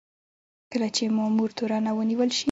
کله چې مامور تورن او ونیول شي.